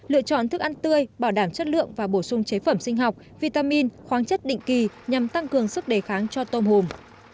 lựa chọn thức ăn tươi bảo đảm chất lượng và bổ sung chế phẩm sinh học vitamin khoáng chất định kỳ nhằm tăng cường sức đề kháng cho tôm hùm